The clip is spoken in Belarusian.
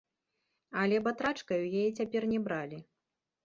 Але батрачкаю яе цяпер не бралі.